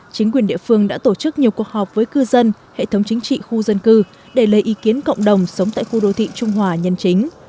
chính quyền địa phương đã tổ chức nhiều cuộc họp với cư dân hệ thống chính trị khu dân cư để lấy ý kiến cộng đồng sống tại khu đô thị trung hòa nhân chính